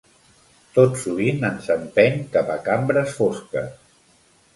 Tot sovint ens empeny cap a cambres fosques.